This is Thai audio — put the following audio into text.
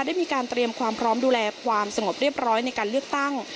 ได้มีการเตรียมความพร้อมดูแลความสงบเรียบร้อยในการเลือกตั้ง